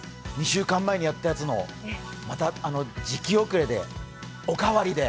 ２週間前にやったやつのまた、時期遅れでおかわりで。